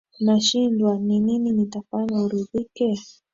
Nashindwa ni nini nitafanya uridhike